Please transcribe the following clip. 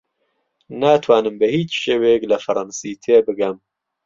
ناتوانم بە هیچ شێوەیەک لە فەڕەنسی تێبگەم.